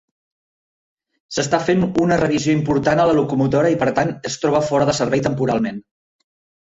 S'està fent una revisió important a la locomotora i, per tant, es troba fora de servei temporalment.